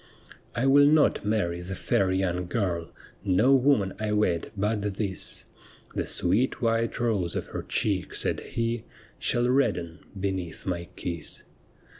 ' I will not marry the fair young girl, No woman I wed but this ; The sweet white rose of her check,' said ho, ' Shall redden beneath my kiss.